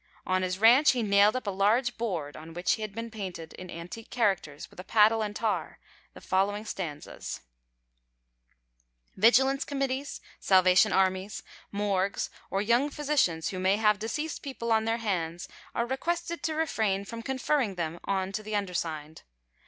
On his ranch he nailed up a large board on which had been painted in antique characters with a paddle and tar the following stanzas: Vigilance Committees, Salvation Armies, Morgues, or young physicians who may have deceased people on their hands, are requested to refrain from conferring them on to the undersigned.